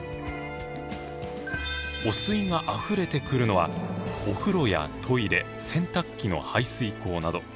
汚水があふれてくるのはお風呂やトイレ洗濯機の排水口など。